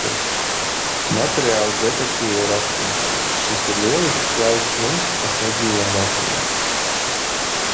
Materiāls detektīvu rakstniekiem. Šis ir lielisks laiks mums, kas nedzīvo Latvijā.